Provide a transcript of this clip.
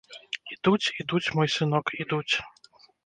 Ідуць, ідуць, мой сынок, ідуць!